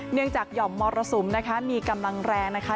หย่อมมรสุมนะคะมีกำลังแรงนะคะ